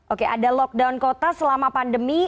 oke ada lockdown kota selama pandemi